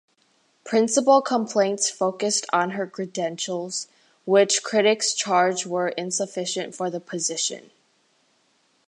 Principal complaints focused on her credentials, which critics charged were insufficient for the position.